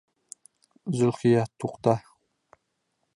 Зөлхиә, туҡта!